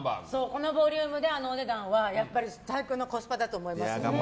このボリュームであのお値段は最高のコスパだと思います。